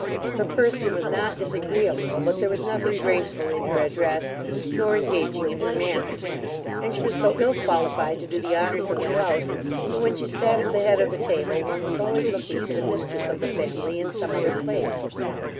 Her person was not disagreeable; but there was nothing graceful in her address, nor engaging in her manners; and she was so ill qualified to do the honours of the house, that when she sat at the head of the table, one was always looking for the mistress of the family in some other place.